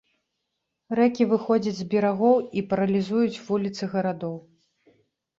Рэкі выходзяць з берагоў і паралізуюць вуліцы гарадоў.